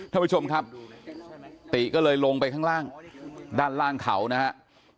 ท่านผู้ชมครับติก็เลยลงไปข้างล่างด้านล่างเขานะครับ